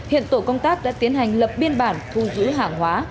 hiện tổ công tác đã tiến hành lập biên bản thu giữ hàng hóa